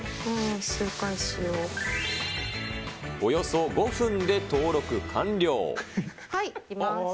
およそ５分で登録完了。いきます。